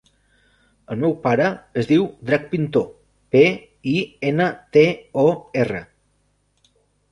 El meu pare es diu Drac Pintor: pe, i, ena, te, o, erra.